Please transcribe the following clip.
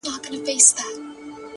ما دي ویلي کله قبر نایاب راکه ـ